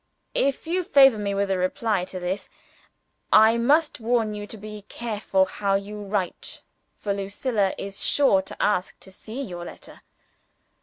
"If you favor me with a reply to this, I must warn you to be careful how you write; for Lucilla is sure to ask to see your letter.